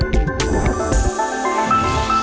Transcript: โปรดติดตามตอนต่อไป